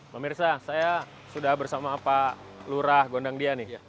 pak mirsa saya sudah bersama pak lurah gondangdia nih